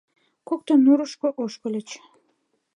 Коктын нурышко ошкыльыч.